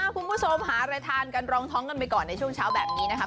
คุณผู้ชมหาอะไรทานกันรองท้องกันไปก่อนในช่วงเช้าแบบนี้นะคะ